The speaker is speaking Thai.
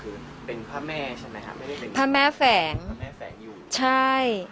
คือเป็นพระแม่ใช่ไหมครับไม่ได้เป็นพระแม่แฝงพระแม่แฝงอยู่ใช่